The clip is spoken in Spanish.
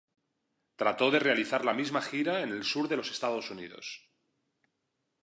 Trató de realizar la misma gira en el sur de los Estados Unidos.